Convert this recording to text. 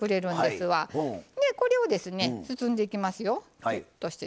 これをですね包んでいきますよ。